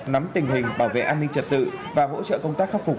nắm tình hình bảo vệ an ninh trật tự và hỗ trợ công tác khắc phục